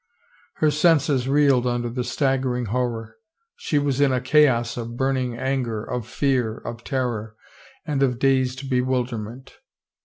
Her senses reeled under the staggering horror. She was in a chaos of burning anger, of fear, of terror and of dazed bewilderment.